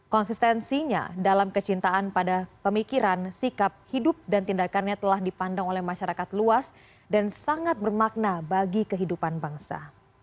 konsistensinya dalam kecintaan pada pemikiran sikap hidup dan tindakannya telah dipandang oleh masyarakat luas dan sangat bermakna bagi kehidupan bangsa